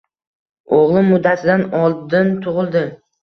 O`g`lim muddatidan oldin tug`ildi